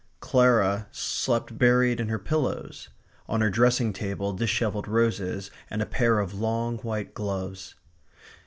Clara slept buried in her pillows; on her dressing table dishevelled roses and a pair of long white gloves.